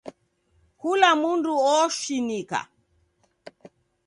Kula mndu oshinika.